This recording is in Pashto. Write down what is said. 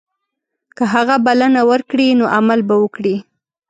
که هغه بلنه ورکړي نو عمل به وکړي.